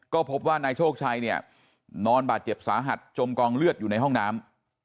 ก็พบว่านายโชคชัยเนี่ยนอนบาดเจ็บสาหัสจมกองเลือดอยู่ในห้องน้ำ